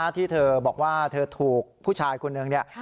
ที่เธอบอกว่าเธอถูกผู้ชายคนนึง